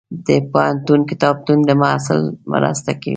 د پوهنتون کتابتون د محصل مرسته کوي.